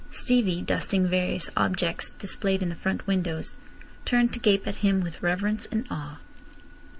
Stevie, dusting various objects displayed in the front windows, turned to gape at him with reverence and awe.